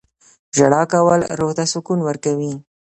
• ژړا کول روح ته سکون ورکوي.